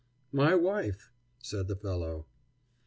"My wife," said the fellow.